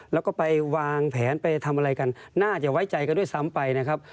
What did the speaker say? แล้วก็ไปวางแผนไปทำอะไรกันน่าจะไว้ใจกันด้วยซ้ำไปนะครับ